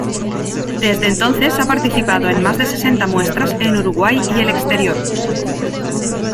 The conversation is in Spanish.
Desde entonces, ha participado en más de sesenta muestras en Uruguay y el exterior.